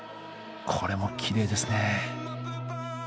これもきれいですね。